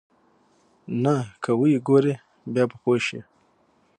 نه که ويې وګورې بيا به پوى شې.